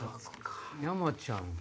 山ちゃん